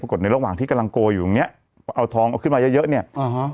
ในระหว่างที่กำลังโกยอยู่ตรงเนี้ยเอาทองเอาขึ้นมาเยอะเยอะเนี้ยอ่าฮะ